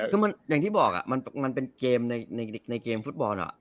คืออย่างที่บอกมันเป็นเกมในเกมฟุตบอล